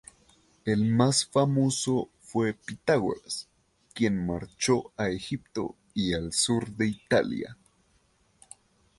El más famoso fue Pitágoras, quien marchó a Egipto y al sur de Italia.